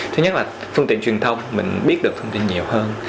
thứ nhất là phương tiện truyền thông mình biết được phương tiện nhiều hơn